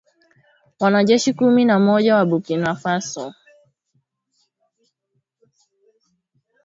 Wanajeshi kumi na moja wa Burkina Faso